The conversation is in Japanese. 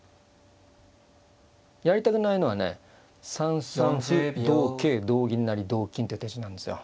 やりたくないのはね３三歩同桂同銀成同金って手順なんですよ。